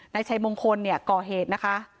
นายชัยมงคลเนี่ยก่อเหตุนะคะ